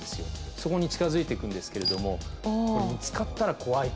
そこに近づいて行くんですけれども見つかったら怖い。